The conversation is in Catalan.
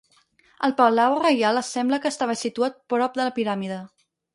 El palau reial sembla que estava situat prop de la piràmide.